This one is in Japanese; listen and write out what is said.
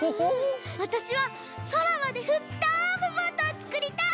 わたしはそらまでふっとぶボートをつくりたい！